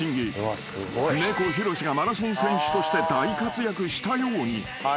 ［猫ひろしがマラソン選手として大活躍したように］